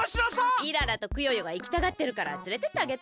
イララとクヨヨがいきたがってるからつれてってあげて！